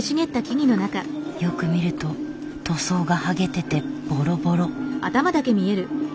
よく見ると塗装が剥げててボロボロ。